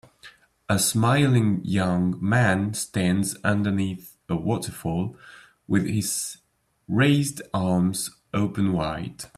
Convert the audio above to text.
A smiling young man stands underneath a waterfall with his raised arms open wide